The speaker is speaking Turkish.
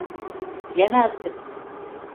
Bilemezdim.